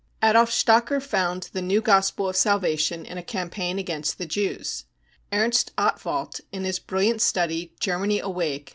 Adolf Stocker found the new gospel of salva tion in a campaign against the Jews. Ernst Ottwalt, in his brilliant study Germany, Awake